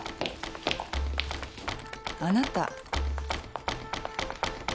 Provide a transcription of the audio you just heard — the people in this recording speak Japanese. あなた。